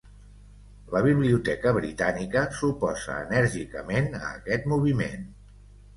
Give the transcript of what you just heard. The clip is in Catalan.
La Biblioteca Britànica s'oposa enèrgicament a aquest moviment.